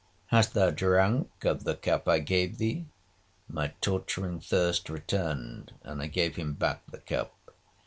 'Hast thou drank of the cup I gave thee?' my torturing thirst returned, and I gave him back the cup.